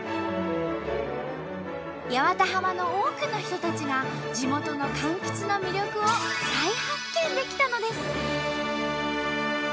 八幡浜の多くの人たちが地元のかんきつの魅力を再発見できたのです。